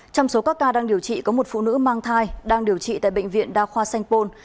trong số các ca đang điều trị có một phụ nữ mang thai đang điều trị tại bệnh viện đa khoa sanh pôn